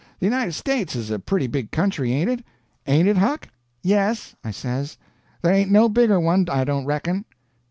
The United States is a pretty big country, ain't it? Ain't it, Huck?" "Yes," I says, "there ain't no bigger one, I don't reckon."